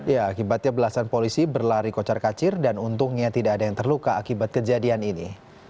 ya akibatnya belasan polisi berlari kocar kacir dan untungnya tidak ada yang terluka akibat kejadian ini